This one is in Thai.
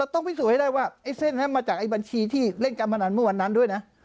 พิสูจน์ให้ได้ว่าไอ้เส้นนั้นมาจากไอ้บัญชีที่เล่นการพนันเมื่อวันนั้นด้วยนะ